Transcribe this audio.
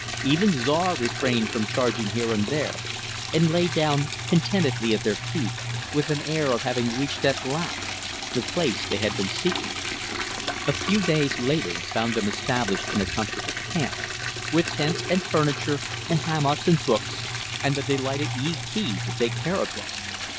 Even Czar refrained from charging here and there, and lay down contentedly at their feet, with an air of having reached at last the place they had been seeking. A few days later found them established in a comfortable camp; with tents and furniture and hammocks and books and the delighted Yee Kee to take care of them.